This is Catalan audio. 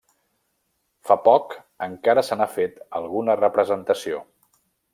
Fa poc encara se n'ha fet alguna representació.